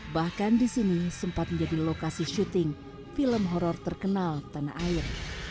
bahkan di sini sempat menjadi lokasi syuting film horror terkenal tanah air